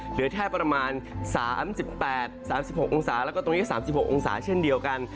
เหลือแค่ประมาณ๓๘๓๖องศาแล้วก็ตรงนี้๓๖องศาเช่นเดียวกัน